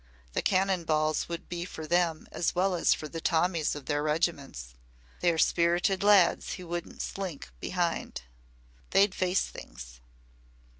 The cannon balls would be for them as well as for the Tommies of their regiments. They are spirited lads who wouldn't slink behind. They'd face things."